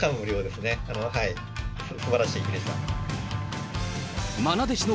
すばらしい日でした。